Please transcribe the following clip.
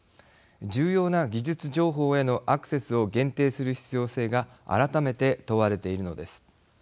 重要な技術情報へのアクセスを限定する必要性が改めて問われているのです。